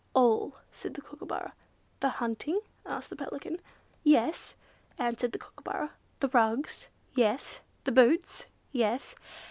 "All," said the Kookooburra. "The hunting?" asked the Pelican. "Yes," answered the Kookooburra. "The rugs?" "Yes." "The boots?" "Yes."